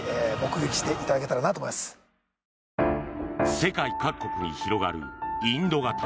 世界各国に広がるインド型。